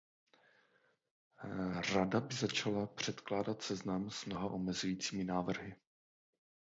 Rada by začala předkládat seznam s mnoha omezujícími návrhy.